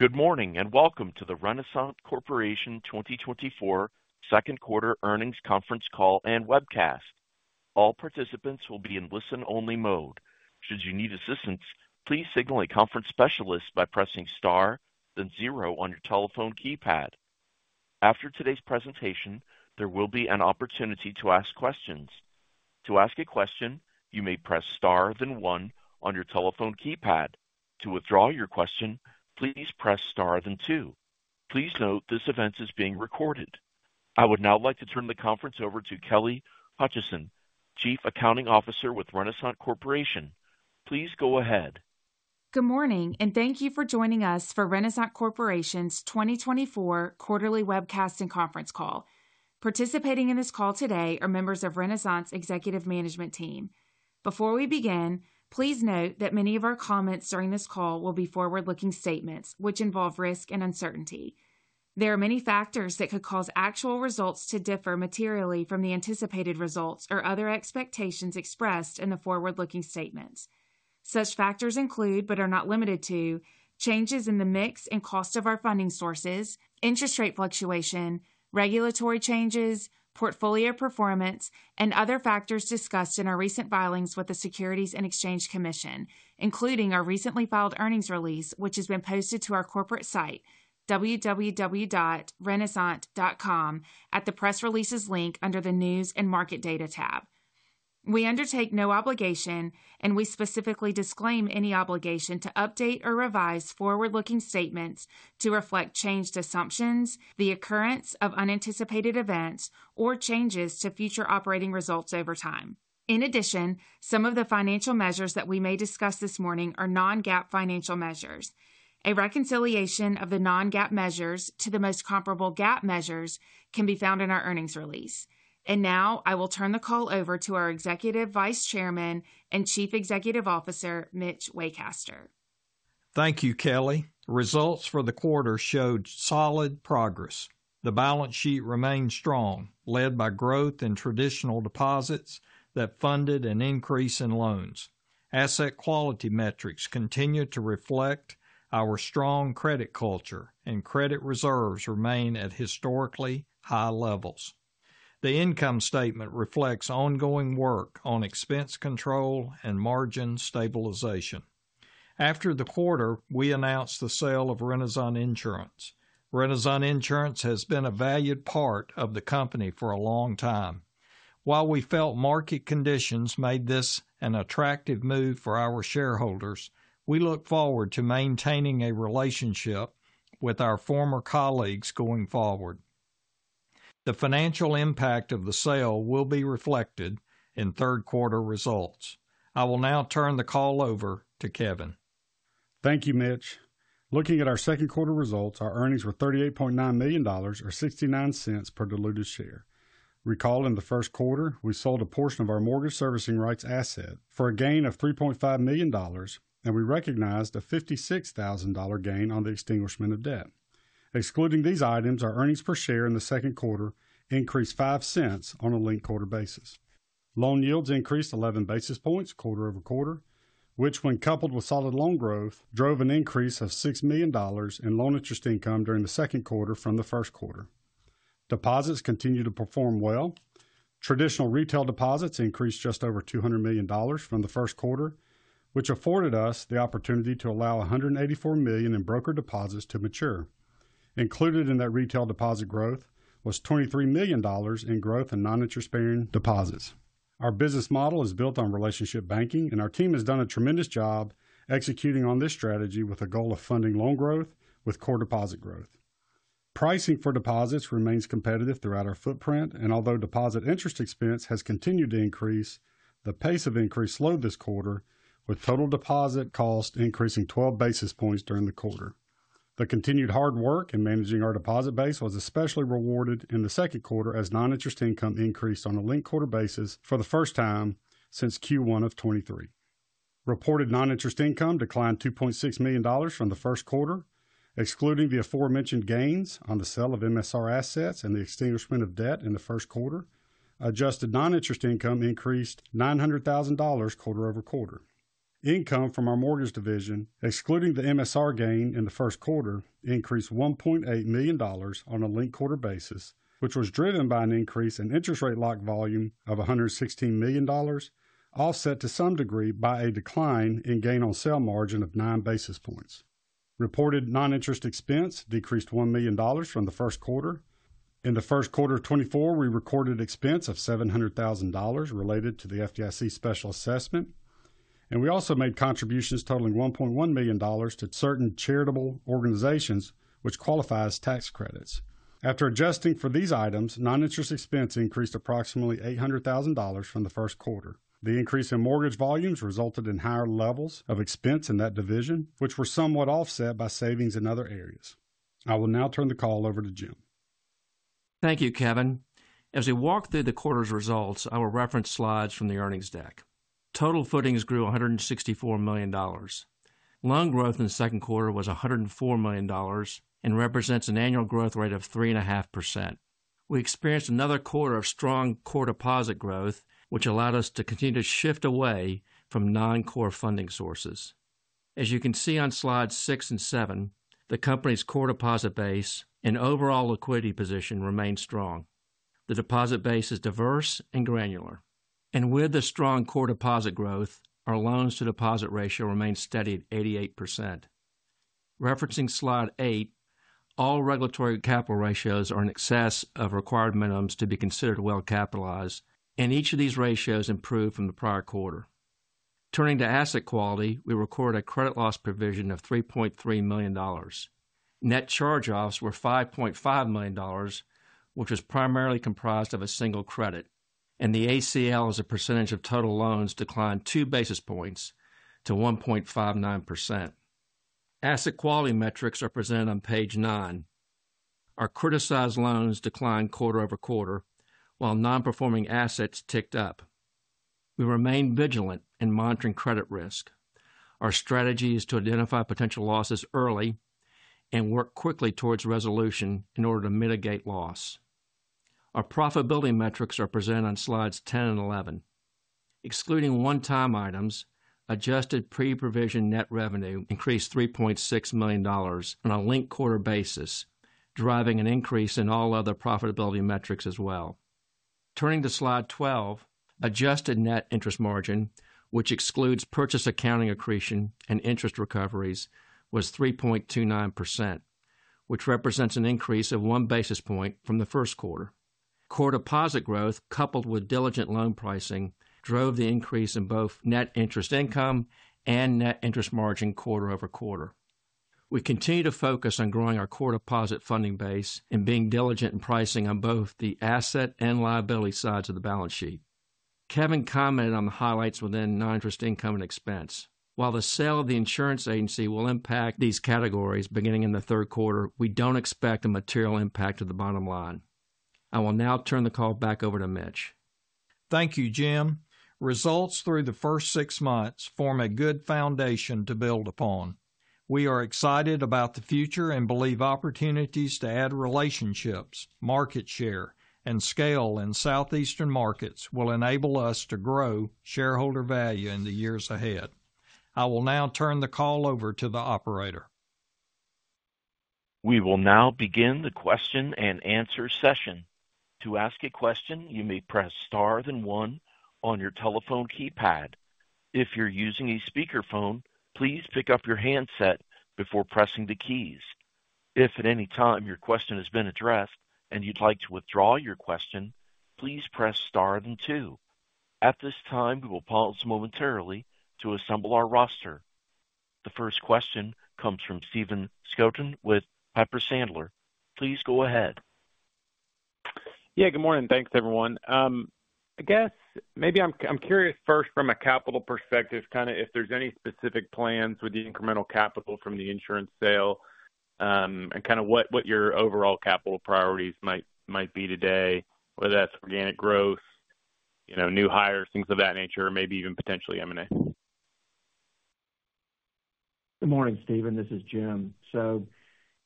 Good morning, and welcome to the Renasant Corporation 2024 Second Quarter Earnings Conference Call and Webcast. All participants will be in listen-only mode. Should you need assistance, please signal a conference specialist by pressing Star then zero on your telephone keypad. After today's presentation, there will be an opportunity to ask questions. To ask a question, you may press star then one on your telephone keypad. To withdraw your question, please press star then two. Please note, this event is being recorded. I would now like to turn the conference over to Kelly Hutcheson, Chief Accounting Officer with Renasant Corporation. Please go ahead. Good morning, and thank you for joining us for Renasant Corporation's 2024 quarterly webcast and conference call. Participating in this call today are members of Renasant's executive management team. Before we begin, please note that many of our comments during this call will be forward-looking statements, which involve risk and uncertainty. There are many factors that could cause actual results to differ materially from the anticipated results or other expectations expressed in the forward-looking statements. Such factors include, but are not limited to, changes in the mix and cost of our funding sources, interest rate fluctuation, regulatory changes, portfolio performance, and other factors discussed in our recent filings with the Securities and Exchange Commission, including our recently filed earnings release, which has been posted to our corporate site, www.renasant.com, at the Press Releases link under the News and Market Data tab. We undertake no obligation, and we specifically disclaim any obligation to update or revise forward-looking statements to reflect changed assumptions, the occurrence of unanticipated events, or changes to future operating results over time. In addition, some of the financial measures that we may discuss this morning are non-GAAP financial measures. A reconciliation of the non-GAAP measures to the most comparable GAAP measures can be found in our earnings release. Now I will turn the call over to our Executive Vice Chairman and Chief Executive Officer, Mitch Waycaster. Thank you, Kelly. Results for the quarter showed solid progress. The balance sheet remained strong, led by growth in traditional deposits that funded an increase in loans. Asset quality metrics continued to reflect our strong credit culture, and credit reserves remain at historically high levels. The income statement reflects ongoing work on expense control and margin stabilization. After the quarter, we announced the sale of Renasant Insurance. Renasant Insurance has been a valued part of the company for a long time. While we felt market conditions made this an attractive move for our shareholders, we look forward to maintaining a relationship with our former colleagues going forward. The financial impact of the sale will be reflected in third quarter results. I will now turn the call over to Kevin. Thank you, Mitch. Looking at our second quarter results, our earnings were $38.9 million, or $0.69 per diluted share. Recall in the first quarter, we sold a portion of our mortgage servicing rights asset for a gain of $3.5 million, and we recognized a $56,000 gain on the extinguishment of debt. Excluding these items, our earnings per share in the second quarter increased 5 cents on a linked-quarter basis. Loan yields increased 11 basis points quarter-over-quarter, which, when coupled with solid loan growth, drove an increase of $6 million in loan interest income during the second quarter from the first quarter. Deposits continued to perform well. Traditional Retail Deposits increased just over $200 million from the first quarter, which afforded us the opportunity to allow 184 million in Brokered Deposits to mature. Included in that retail deposit growth was $23 million in growth in non-interest-bearing deposits. Our business model is built on relationship banking, and our team has done a tremendous job executing on this strategy with a goal of funding loan growth with core deposit growth. Pricing for deposits remains competitive throughout our footprint, and although deposit interest expense has continued to increase, the pace of increase slowed this quarter, with total deposit cost increasing 12 basis points during the quarter. The continued hard work in managing our deposit base was especially rewarded in the second quarter as non-interest income increased on a linked quarter basis for the first time since Q1 of 2023. Reported non-interest income declined $2.6 million from the first quarter. Excluding the aforementioned gains on the sale of MSR assets and the extinguishment of debt in the first quarter, adjusted non-interest income increased $900,000 quarter-over-quarter. Income from our mortgage division, excluding the MSR gain in the first quarter, increased $1.8 million on a linked-quarter basis, which was driven by an increase in interest rate lock volume of $116 million, offset to some degree by a decline in gain on sale margin of nine basis points. Reported non-interest expense decreased $1 million from the first quarter. In the first quarter of 2024, we recorded expense of $700,000 related to the FDIC special assessment, and we also made contributions totaling $1.1 million to certain charitable organizations, which qualify as tax credits. After adjusting for these items, non-interest expense increased approximately $800,000 from the first quarter. The increase in mortgage volumes resulted in higher levels of expense in that division, which were somewhat offset by savings in other areas. I will now turn the call over to Jim. Thank you, Kevin. As we walk through the quarter's results, I will reference slides from the earnings deck. Total footings grew $164 million. Loan growth in the second quarter was $104 million and represents an annual growth rate of 3.5%. ...We experienced another quarter of strong core deposit growth, which allowed us to continue to shift away from non-core funding sources. As you can see on slide six and seven, the company's core deposit base and overall liquidity position remain strong. The deposit base is diverse and granular, and with the strong core deposit growth, our loan-to-deposit ratio remains steady at 88%. Referencing slide eight, all regulatory capital ratios are in excess of required minimums to be considered well capitalized, and each of these ratios improved from the prior quarter. Turning to asset quality, we recorded a credit loss provision of $3.3 million. Net charge-offs were $5.5 million, which was primarily comprised of a single credit, and the ACL, as a percentage of total loans, declined two basis points to 1.59%. Asset quality metrics are presented on page 9. Our criticized loans declined quarter-over-quarter, while non-performing assets ticked up. We remain vigilant in monitoring credit risk. Our strategy is to identify potential losses early and work quickly toward resolution in order to mitigate loss. Our profitability metrics are presented on slides 10 and 11. Excluding one-time items, adjusted pre-provision net revenue increased $3.6 million on a linked quarter basis, driving an increase in all other profitability metrics as well. Turning to slide 12, adjusted net interest margin, which excludes purchase accounting accretion and interest recoveries, was 3.29%, which represents an increase of one basis point from the first quarter. Core deposit growth, coupled with diligent loan pricing, drove the increase in both net interest income and net interest margin quarter-over-quarter. We continue to focus on growing our core deposit funding base and being diligent in pricing on both the asset and liability sides of the balance sheet. Kevin commented on the highlights within non-interest income and expense. While the sale of the insurance agency will impact these categories beginning in the third quarter, we don't expect a material impact to the bottom line. I will now turn the call back over to Mitch. Thank you, Jim. Results through the first six months form a good foundation to build upon. We are excited about the future and believe opportunities to add relationships, market share, and scale in Southeastern markets will enable us to grow shareholder value in the years ahead. I will now turn the call over to the operator. We will now begin the question-and-answer session. To ask a question, you may press star and one on your telephone keypad. If you're using a speakerphone, please pick up your handset before pressing the keys. If at any time your question has been addressed and you'd like to withdraw your question, please press star and two. At this time, we will pause momentarily to assemble our roster. The first question comes from Stephen Scouten with Piper Sandler. Please go ahead. Yeah, good morning. Thanks, everyone. I guess maybe I'm curious first from a capital perspective, kind of if there's any specific plans with the incremental capital from the insurance sale, and kind of what your overall capital priorities might be today, whether that's organic growth, you know, new hires, things of that nature, maybe even potentially M&A. Good morning, Stephen. This is Jim. So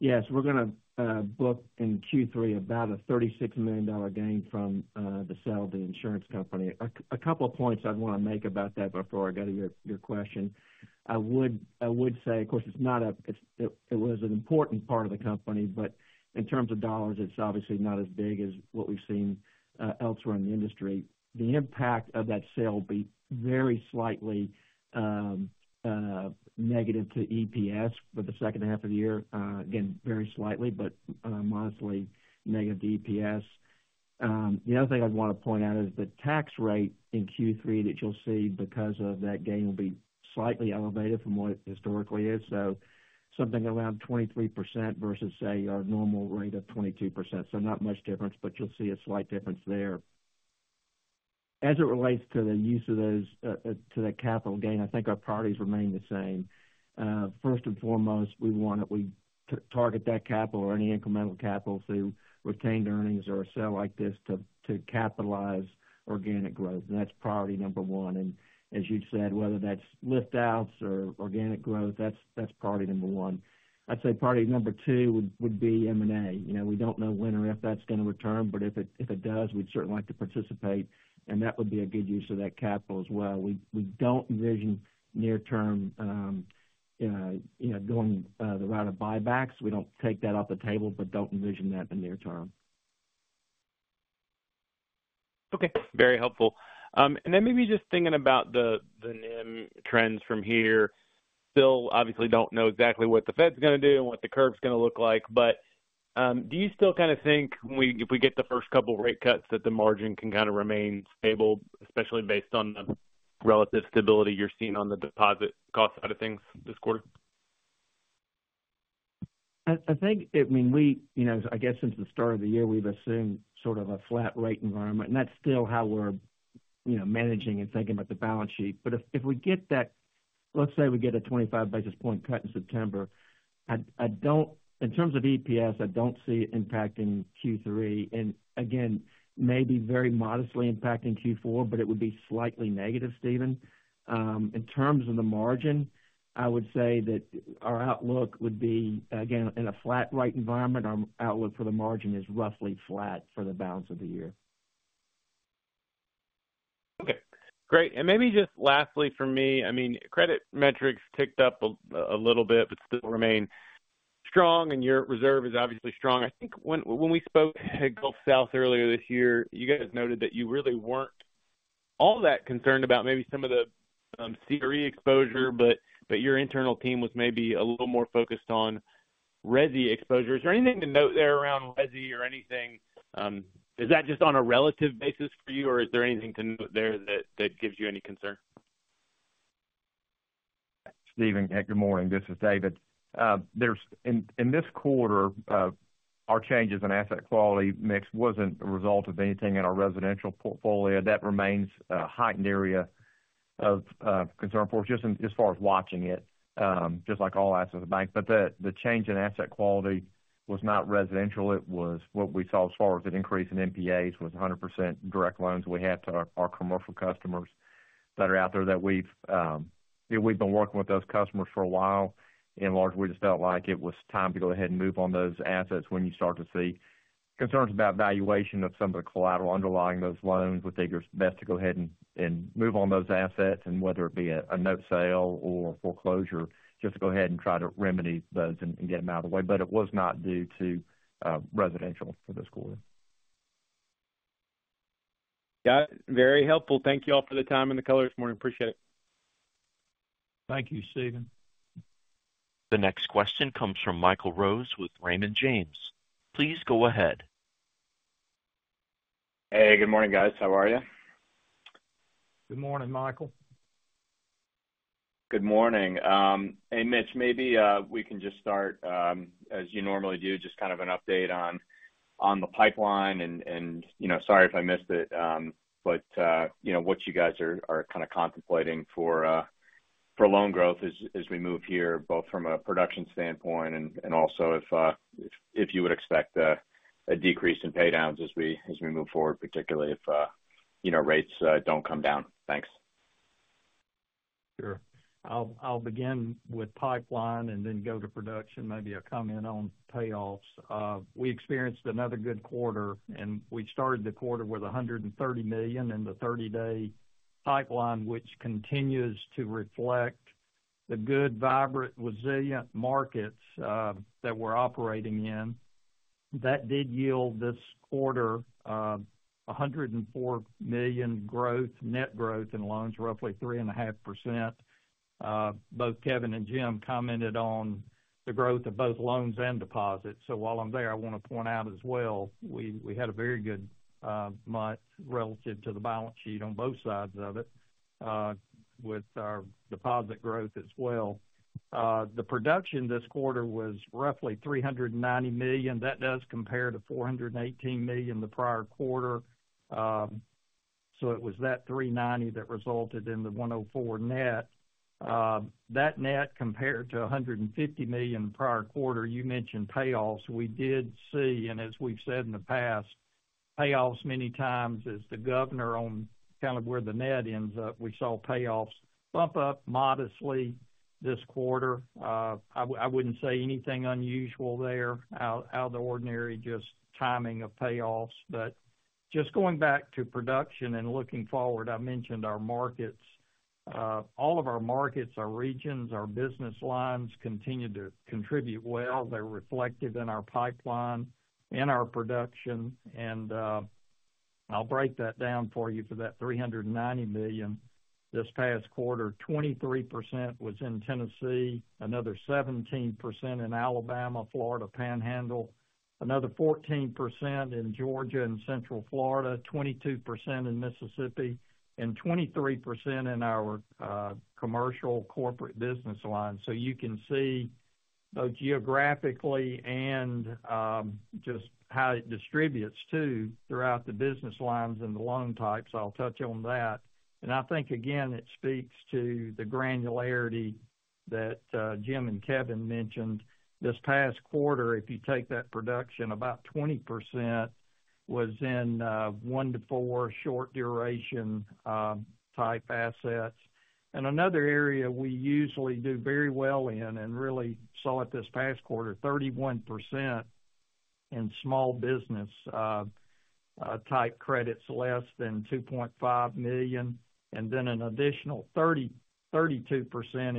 yes, we're going to book in Q3 about a $36 million gain from the sale of the insurance company. A couple of points I'd want to make about that before I go to your question. I would say, of course, it's not a—it was an important part of the company, but in terms of dollars, it's obviously not as big as what we've seen elsewhere in the industry. The impact of that sale will be very slightly negative to EPS for the second half of the year. Again, very slightly, but modestly negative to EPS. The other thing I'd want to point out is the tax rate in Q3 that you'll see because of that gain, will be slightly elevated from what it historically is. So something around 23% versus, say, our normal rate of 22%. So not much difference, but you'll see a slight difference there. As it relates to the use of those to the capital gain, I think our priorities remain the same. First and foremost, we want to target that capital or any incremental capital through retained earnings or a sale like this, to capitalize organic growth, and that's priority number one. And as you've said, whether that's lift-outs or organic growth, that's priority number one. I'd say priority number two would be M&A. You know, we don't know when or if that's going to return, but if it does, we'd certainly like to participate, and that would be a good use of that capital as well. We don't envision near term, you know, going the route of buybacks. We don't take that off the table, but don't envision that in the near term. Okay, very helpful. And then maybe just thinking about the NIM trends from here. Still, obviously don't know exactly what the Fed's going to do and what the curve's going to look like. But, do you still kind of think when we, if we get the first couple rate cuts, that the margin can kind of remain stable, especially based on the relative stability you're seeing on the deposit cost side of things this quarter? I think, I mean, you know, I guess since the start of the year, we've assumed sort of a flat rate environment, and that's still how we're, you know, managing and thinking about the balance sheet. But if we get that, let's say we get a 25 basis point cut in September, in terms of EPS, I don't see it impacting Q3, and again, maybe very modestly impacting Q4, but it would be slightly negative, Stephen. In terms of the margin, I would say that our outlook would be, again, in a flat rate environment. Our outlook for the margin is roughly flat for the balance of the year.... Okay, great! And maybe just lastly for me, I mean, credit metrics ticked up a little bit, but still remain strong, and your reserve is obviously strong. I think when we spoke at Gulf South earlier this year, you guys noted that you really weren't all that concerned about maybe some of the CRE exposure, but your internal team was maybe a little more focused on resi exposure. Is there anything to note there around resi or anything? Is that just on a relative basis for you, or is there anything to note there that gives you any concern? Stephen, good morning, this is David. There's, in this quarter, our changes in asset quality mix wasn't a result of anything in our residential portfolio. That remains a heightened area of concern for us, just in, as far as watching it, just like all assets of the bank. But the change in asset quality was not residential, it was what we saw as far as an increase in NPAs, was 100% direct loans we had to our commercial customers that are out there, that we've, you know, we've been working with those customers for a while, and largely, we just felt like it was time to go ahead and move on those assets. When you start to see concerns about valuation of some of the collateral underlying those loans, we figure it's best to go ahead and move on those assets, and whether it be a note sale or foreclosure, just to go ahead and try to remedy those and get them out of the way. But it was not due to residential for this quarter. Got it. Very helpful. Thank you all for the time and the color this morning. Appreciate it. Thank you, Stephen. The next question comes from Michael Rose with Raymond James. Please go ahead. Hey, good morning, guys. How are you? Good morning, Michael. Good morning. Hey, Mitch, maybe we can just start as you normally do, just kind of an update on the pipeline and, you know, sorry if I missed it, but you know, what you guys are kinda contemplating for loan growth as we move here, both from a production standpoint and also if you would expect a decrease in paydowns as we move forward, particularly if, you know, rates don't come down. Thanks. Sure. I'll begin with pipeline and then go to production. Maybe I'll comment on payoffs. We experienced another good quarter, and we started the quarter with $130 million in the 30-day pipeline, which continues to reflect the good, vibrant, resilient markets that we're operating in. That did yield this quarter a $104 million growth, net growth in loans, roughly 3.5%. Both Kevin and Jim commented on the growth of both loans and deposits. So while I'm there, I wanna point out as well, we had a very good month relative to the balance sheet on both sides of it with our deposit growth as well. The production this quarter was roughly $390 million. That does compare to $418 million the prior quarter. So it was that $390 million that resulted in the $104 million net. That net compared to $150 million the prior quarter, you mentioned payoffs. We did see, and as we've said in the past, payoffs many times is the governor on kind of where the net ends up. We saw payoffs bump up modestly this quarter. I wouldn't say anything unusual there, out of the ordinary, just timing of payoffs. But just going back to production and looking forward, I mentioned our markets. All of our markets, our regions, our business lines continue to contribute well. They're reflective in our pipeline, in our production, and, I'll break that down for you for that $390 million. This past quarter, 23% was in Tennessee, another 17% in Alabama, Florida Panhandle, another 14% in Georgia and Central Florida, 22% in Mississippi, and 23% in our commercial corporate business line. So you can see both geographically and just how it distributes, too, throughout the business lines and the loan types. I'll touch on that. And I think, again, it speaks to the granularity that Jim and Kevin mentioned. This past quarter, if you take that production, about 20% was in one to four short duration type assets. Another area we usually do very well in, and really saw it this past quarter, 31% in small business type credits, less than $2.5 million, and then an additional 32%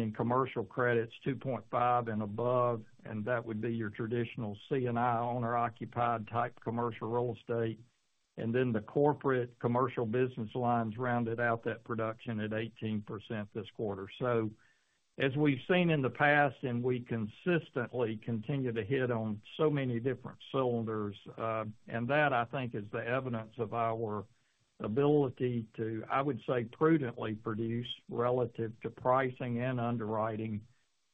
in commercial credits, $2.5 million and above, and that would be your traditional C&I owner-occupied type commercial real estate. And then the corporate commercial business lines rounded out that production at 18% this quarter. So as we've seen in the past, and we consistently continue to hit on so many different cylinders, and that, I think, is the evidence of our ability to, I would say, prudently produce relative to pricing and underwriting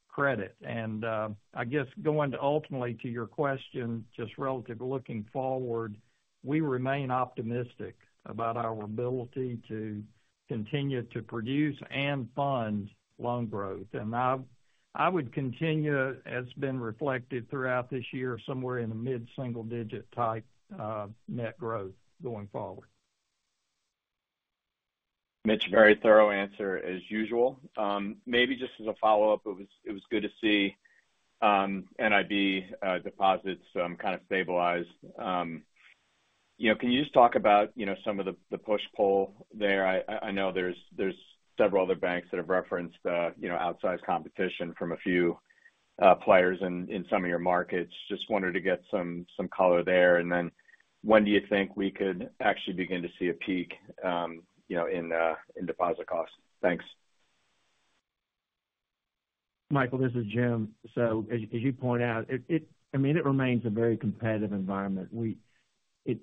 credit. And I guess going to ultimately to your question, just relative to looking forward, we remain optimistic about our ability to continue to produce and fund loan growth. And I, I would continue, as been reflected throughout this year, somewhere in the mid-single digit type net growth going forward. Mitch, very thorough answer, as usual. Maybe just as a follow-up, it was good to see NIB deposits kind of stabilized. You know, can you just talk about some of the push-pull there? I know there's several other banks that have referenced you know, outsized competition from a few players in some of your markets. Just wanted to get some color there. And then when do you think we could actually begin to see a peak you know, in deposit costs? Thanks. Michael, this is Jim. So as you point out, it remains a very competitive environment.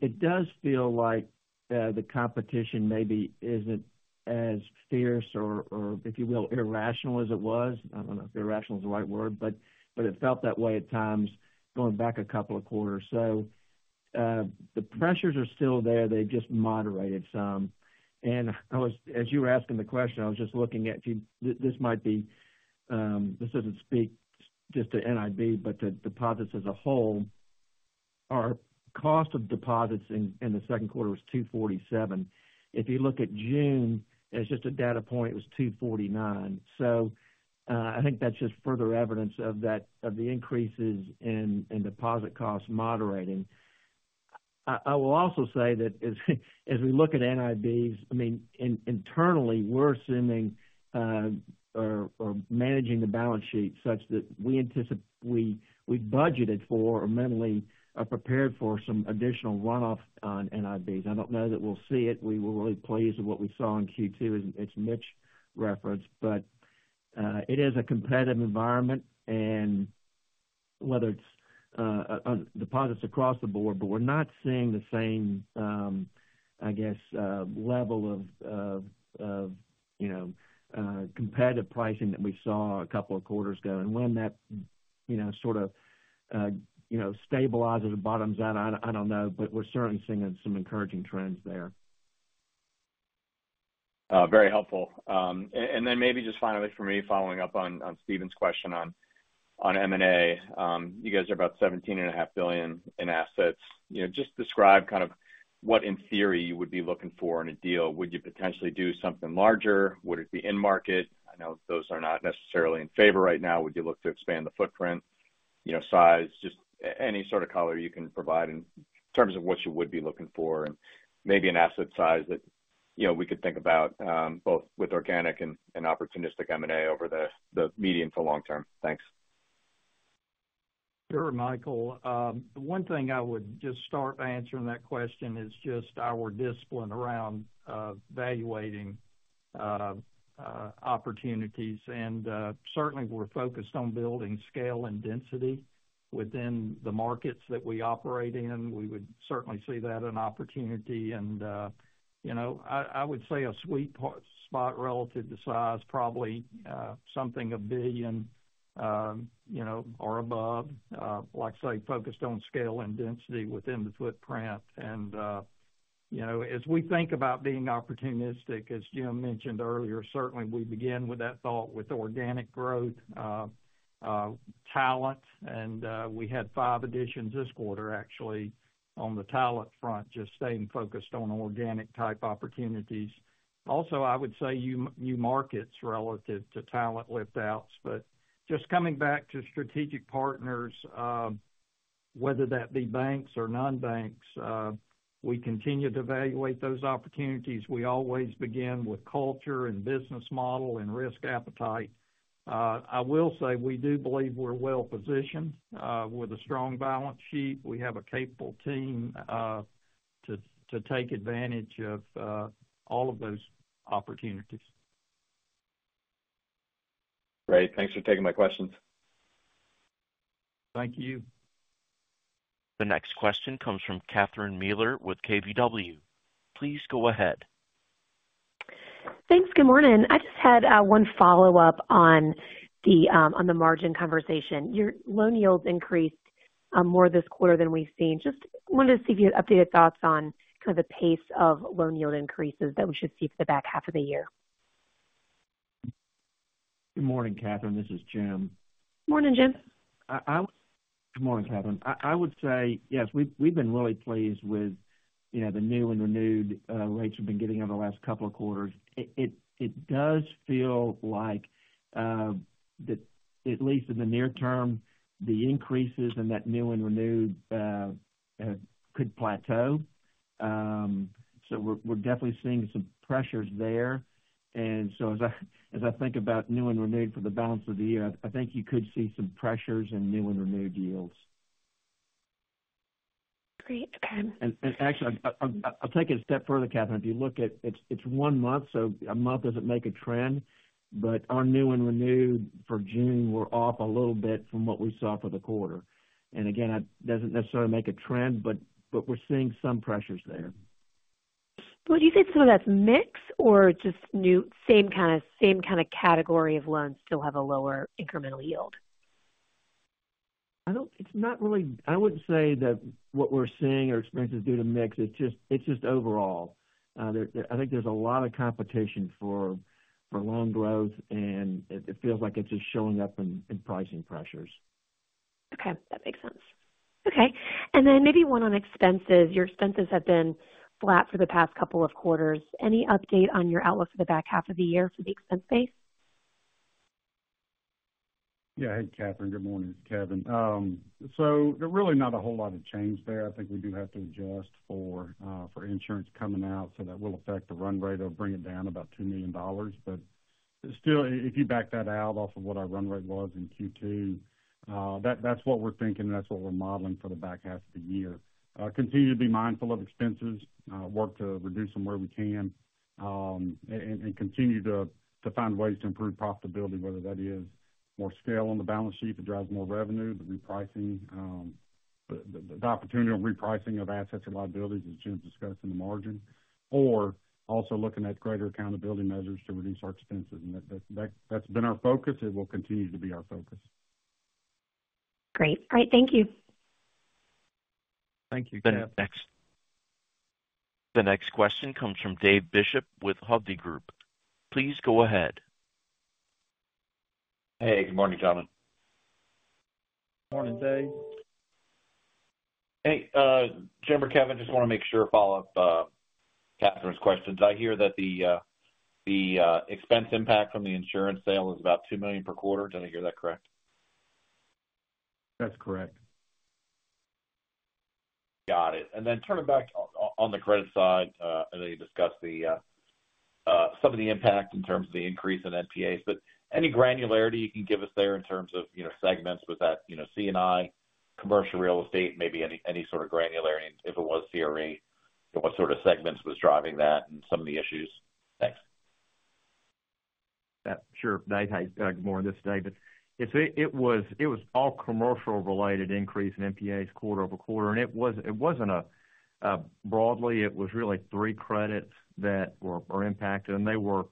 It does feel like the competition maybe isn't as fierce or, if you will, irrational as it was. I don't know if irrational is the right word, but it felt that way at times, going back a couple of quarters. So the pressures are still there. They've just moderated some. And as you were asking the question, I was just looking at you. This might be, this doesn't speak just to NIB, but to deposits as a whole. Our cost of deposits in the second quarter was 247. If you look at June, as just a data point, it was 249. So, I think that's just further evidence of that, of the increases in deposit costs moderating. I will also say that as we look at NIBs, I mean, internally, we're assuming or managing the balance sheet such that we budgeted for or mentally are prepared for some additional runoff on NIBs. I don't know that we'll see it. We were really pleased with what we saw in Q2 as Mitch referenced. But it is a competitive environment and whether it's on deposits across the board, but we're not seeing the same, I guess, level of you know competitive pricing that we saw a couple of quarters ago. When that, you know, sort of, you know, stabilizes or bottoms out, I don't know, but we're certainly seeing some encouraging trends there. Very helpful. And then maybe just finally for me, following up on, on Stephen's question on, on M&A. You guys are about $17.5 billion in assets. You know, just describe kind of what, in theory, you would be looking for in a deal. Would you potentially do something larger? Would it be in market? I know those are not necessarily in favor right now. Would you look to expand the footprint, you know, size? Just any sort of color you can provide in terms of what you would be looking for and maybe an asset size that, you know, we could think about, both with organic and, and opportunistic M&A over the medium to long term. Thanks. Sure, Michael. One thing I would just start by answering that question is just our discipline around valuing opportunities. And certainly, we're focused on building scale and density within the markets that we operate in. We would certainly see that an opportunity. And you know, I would say a sweet spot relative to size, probably something $1 billion or above, like, say, focused on scale and density within the footprint. And you know, as we think about being opportunistic, as Jim mentioned earlier, certainly we begin with that thought with organic growth, talent, and we had five additions this quarter, actually, on the talent front, just staying focused on organic type opportunities. Also, I would say new markets relative to talent lift-outs. But just coming back to strategic partners, whether that be banks or non-banks, we continue to evaluate those opportunities. We always begin with culture and business model and risk appetite. I will say, we do believe we're well positioned, with a strong balance sheet. We have a capable team, to take advantage of, all of those opportunities. Great. Thanks for taking my questions. Thank you. The next question comes from Catherine Mealor with KBW. Please go ahead. Thanks. Good morning. I just had one follow-up on the on the margin conversation. Your loan yields increased more this quarter than we've seen. Just wanted to see if you had updated thoughts on kind of the pace of loan yield increases that we should see for the back half of the year. Good morning, Catherine. This is Jim. Morning, Jim. Good morning, Catherine. I would say, yes, we've been really pleased with, you know, the new and renewed rates we've been getting over the last couple of quarters. It does feel like that at least in the near term, the increases in that new and renewed could plateau. So we're definitely seeing some pressures there. And so as I think about new and renewed for the balance of the year, I think you could see some pressures in new and renewed yields. Great. Okay. Actually, I'll take it a step further, Catherine. If you look at it, it's one month, so a month doesn't make a trend, but our new and renewed for June were off a little bit from what we saw for the quarter. And again, that doesn't necessarily make a trend, but we're seeing some pressures there. Well, do you think some of that's mix or just new, same kind of, same kind of category of loans still have a lower incremental yield? It's not really. I wouldn't say that what we're seeing or experiencing is due to mix. It's just, it's just overall. There, I think there's a lot of competition for loan growth, and it feels like it's just showing up in pricing pressures.... Okay, that makes sense. Okay, and then maybe one on expenses. Your expenses have been flat for the past couple of quarters. Any update on your outlook for the back half of the year for the expense base? Yeah. Hey, Catherine, good morning. It's Kevin. So there's really not a whole lot of change there. I think we do have to adjust for, for insurance coming out, so that will affect the run rate. It'll bring it down about $2 million. But still, if you back that out of what our run rate was in Q2, that, that's what we're thinking, and that's what we're modeling for the back half of the year. Continue to be mindful of expenses, work to reduce them where we can, and continue to find ways to improve profitability, whether that is more scale on the balance sheet that drives more revenue, the repricing, the opportunity of repricing of assets and liabilities, as Jim discussed in the margin, or also looking at greater accountability measures to reduce our expenses. And that, that's been our focus. It will continue to be our focus. Great. All right, thank you. Thank you, Cat. The next question comes from Dave Bishop with Hovde Group. Please go ahead. Hey, good morning, gentlemen. Morning, Dave. Hey, Jim or Kevin, just wanna make sure to follow up, Catherine's questions. I hear that the expense impact from the insurance sale is about $2 million per quarter. Did I hear that correct? That's correct. Got it. And then turning back on the credit side, I know you discussed the some of the impact in terms of the increase in NPAs, but any granularity you can give us there in terms of, you know, segments? Was that, you know, C&I, commercial real estate, maybe any, any sort of granularity, if it was CRE, what sort of segments was driving that and some of the issues? Thanks. Sure, Dave. Hey, good morning. This is David. It was all commercial-related increase in NPAs quarter-over-quarter, and it wasn't broadly. It was really three credits that are impacted, and they were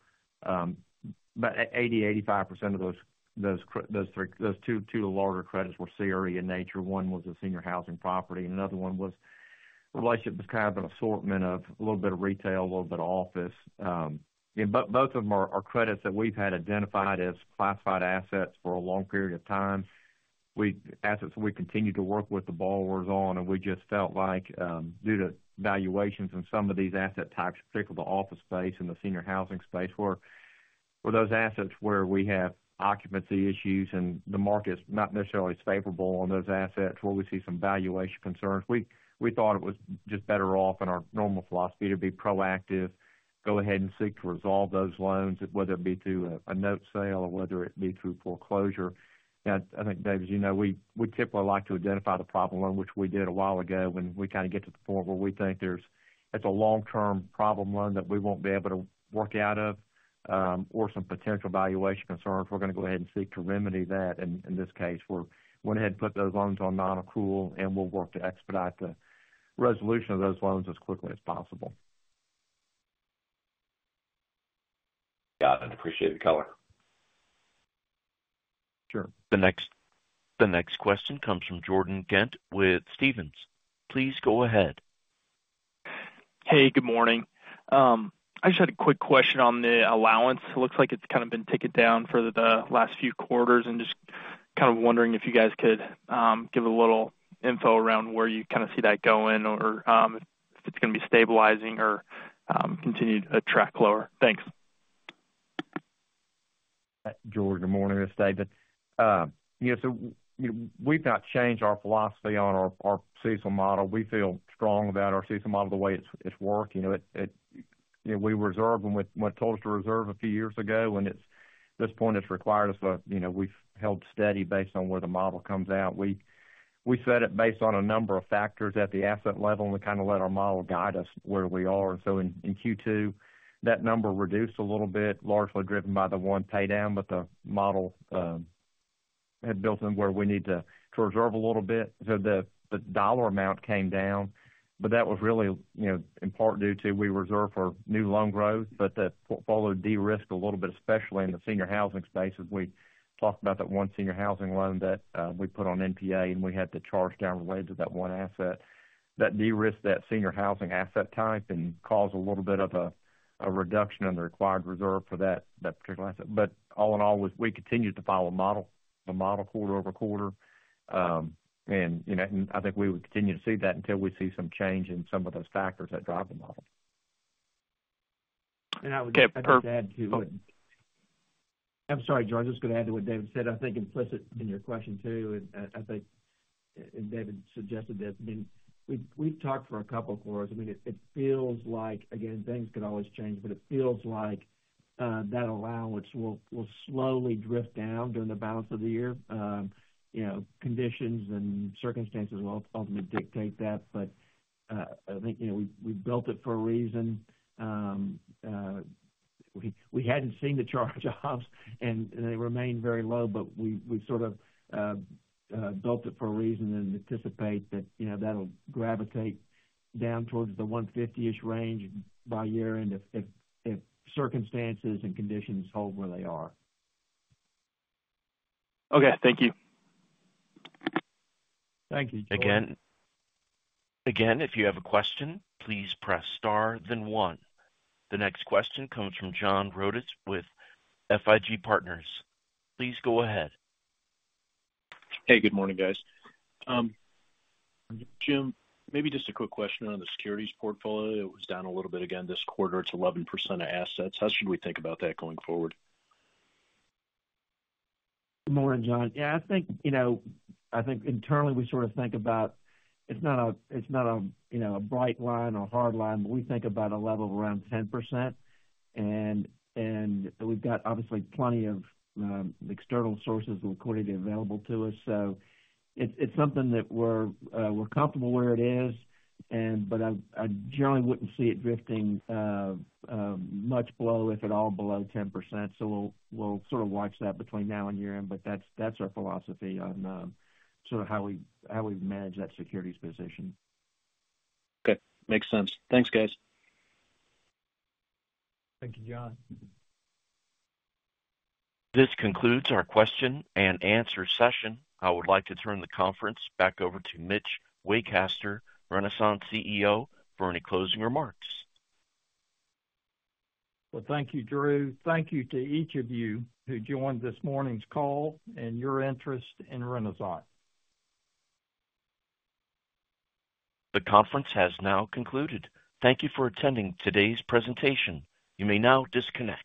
about 85% of those three, two larger credits were CRE in nature. One was a senior housing property, and another one, the relationship was kind of an assortment of a little bit of retail, a little bit of office. Yeah, both of them are credits that we've had identified as classified assets for a long period of time. assets we continue to work with the borrowers on, and we just felt like, due to valuations in some of these asset types, particularly the office space and the senior housing space, where those assets where we have occupancy issues and the market's not necessarily as favorable on those assets, where we see some valuation concerns. We thought it was just better off in our normal philosophy to be proactive, go ahead and seek to resolve those loans, whether it be through a note sale or whether it be through foreclosure. I think, Dave, as you know, we typically like to identify the problem loan, which we did a while ago, when we kind of get to the point where we think there's—it's a long-term problem loan that we won't be able to work out of, or some potential valuation concerns, we're gonna go ahead and seek to remedy that. In this case, we went ahead and put those loans on non-accrual, and we'll work to expedite the resolution of those loans as quickly as possible. Got it. Appreciate the color. Sure. The next question comes from Jordan Ghent with Stephens. Please go ahead. Hey, good morning. I just had a quick question on the allowance. It looks like it's kind of been ticking down for the last few quarters, and just kind of wondering if you guys could give a little info around where you kind of see that going or, if it's gonna be stabilizing or continued to track lower? Thanks. Jordan, good morning. This is David. You know, so, you know, we've not changed our philosophy on our CECL model. We feel strong about our CECL model, the way it's worked. You know, it, you know, we reserved when they told us to reserve a few years ago, and it's – at this point, it's required us to, you know, we've held steady based on where the model comes out. We set it based on a number of factors at the asset level, and we kind of let our model guide us where we are. So in Q2, that number reduced a little bit, largely driven by the one paydown, but the model had built in where we need to reserve a little bit. So the dollar amount came down, but that was really, you know, in part due to we reserved for new loan growth, but the portfolio de-risked a little bit, especially in the senior housing space, as we talked about that one senior housing loan that we put on NPA, and we had to charge down the loans of that one asset. That de-risk of that senior housing asset type caused a little bit of a reduction in the required reserve for that particular asset. But all in all, we continued to follow the model quarter-over-quarter. And, you know, I think we would continue to see that until we see some change in some of those factors that drive the model. I would just add, too. I'm sorry, Jordan. I was just gonna add to what David said. I think implicit in your question, too, and I think, and David suggested this, I mean, we've talked for a couple of quarters. I mean, it feels like, again, things could always change, but it feels like that allowance will slowly drift down during the balance of the year. You know, conditions and circumstances will ultimately dictate that, but I think, you know, we built it for a reason. We hadn't seen the charge-offs and they remained very low, but we sort of built it for a reason and anticipate that, you know, that'll gravitate down towards the 150-ish range by year-end if circumstances and conditions hold where they are. Okay. Thank you. Thank you, Jordan. Again, again, if you have a question, please press star then one. The next question comes from John Rodis with FIG Partners. Please go ahead. Hey, good morning, guys. Jim, maybe just a quick question on the securities portfolio. It was down a little bit again this quarter. It's 11% of assets. How should we think about that going forward? Good morning, John. Yeah, I think, you know, I think internally we sort of think about it's not a you know a bright line or a hard line, but we think about a level of around 10%. And we've got obviously plenty of external sources of liquidity available to us. So it's something that we're comfortable where it is, and but I generally wouldn't see it drifting much below, if at all, below 10%. So we'll sort of watch that between now and year-end, but that's our philosophy on sort of how we how we manage that securities position. Okay, makes sense. Thanks, guys. Thank you, John. This concludes our question and answer session. I would like to turn the conference back over to Mitch Waycaster, Renasant CEO, for any closing remarks. Well, thank you, Drew. Thank you to each of you who joined this morning's call and your interest in Renasant. The conference has now concluded. Thank you for attending today's presentation. You may now disconnect.